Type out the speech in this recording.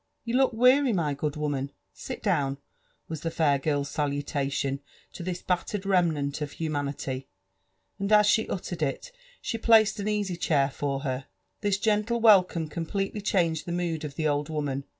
•' You look weary, my good woman, — sit down/* was the fair girl's salutation to this battered remnant of humanity ; and as she uttered it, she placed an easy chair for her. This gentle welcome completely changed the mood of the old woman.